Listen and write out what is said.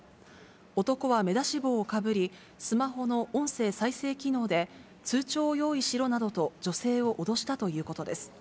男は目出し帽をかぶり、スマホの音声再生機能で、通帳を用意しろなどと女性を脅したということです。